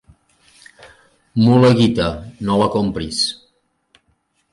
Mula guita, no la compris.